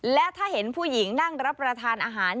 และถ้าเห็นผู้หญิงนั่งรับประทานอาหาร